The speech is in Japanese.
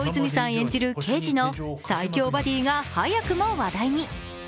演じる刑事の最強バディが早くも話題に。